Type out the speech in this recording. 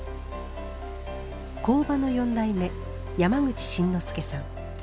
工場の４代目山口信乃介さん。